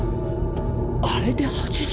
あれで８０？